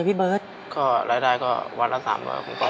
พี่ก็ต้องเป็นภาระของน้องของแม่อีกอย่างหนึ่ง